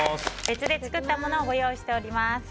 別で作ったものをご用意してあります。